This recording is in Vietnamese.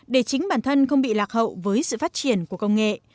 để chính bản thân không bị lạc hậu với sự phát triển của công nghệ